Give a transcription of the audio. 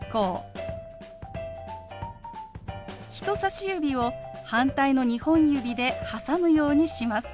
人さし指を反対の２本指で挟むようにします。